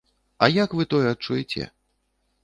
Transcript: А як вы тое адчуеце?